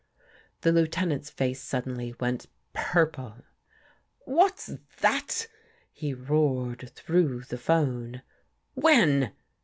The Lieutenant's face suddenly went purple. " What's that? " he roared through the 'phone. " When?